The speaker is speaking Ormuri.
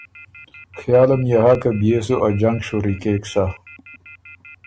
خیالم يې هۀ که بيې سو ا جنګ شوري کېک سَۀ۔